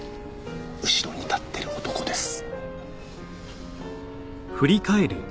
後ろに立ってる男です。